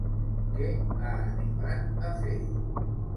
Què ha animat a fer?